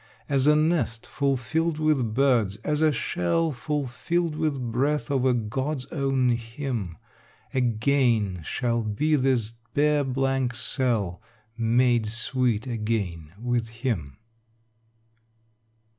As a nest fulfilled with birds, as a shell Fulfilled with breath of a god's own hymn, Again shall be this bare blank cell, Made sweet again with him.